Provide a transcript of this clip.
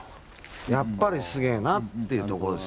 やっぱりすげえなっていうところですよ。